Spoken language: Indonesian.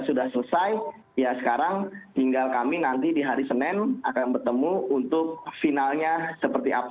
sudah selesai ya sekarang tinggal kami nanti di hari senin akan bertemu untuk finalnya seperti apa